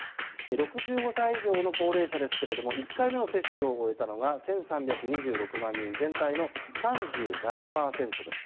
６５歳以上の高齢者ですが１回目の接種を終えたのが１３２６万人で全体の３７％です。